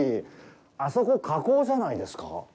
あそこ、火口じゃないですか？